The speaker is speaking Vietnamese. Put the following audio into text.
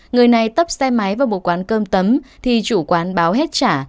người này tấp xe máy vào một quán cơm tấm thì chủ quán báo hết trả